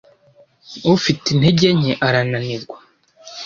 Ufite intege nke arananirwa.